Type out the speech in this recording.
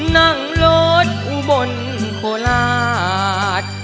นั่งรถบนโคลาด